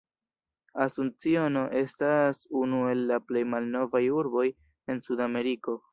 Asunciono estas unu el la plej malnovaj urboj en Sudameriko.